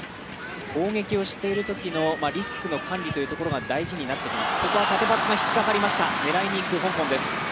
攻撃をしているときのリスクの管理というところが大事になってきます。